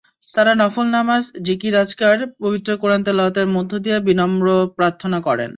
তাঁরা নফল নামাজ, জিকির-আজকার, পবিত্র কোরআন তিলাওয়াতের মধ্য দিয়ে বিনম্র প্রার্থনা করেন।